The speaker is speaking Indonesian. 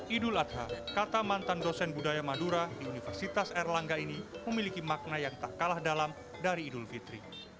idul adha kata mantan dosen budaya madura di universitas erlangga ini memiliki makna yang tak kalah dalam dari idul fitri